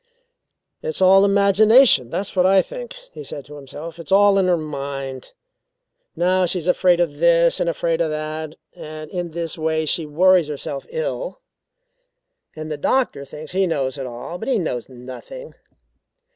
"It's all imagination; that's what I think," he said to himself. "It's all in her mind. Now she's afraid of this and afraid of that, and in this way she worries herself ill. "And the doctor thinks he knows it all, but he knows nothing.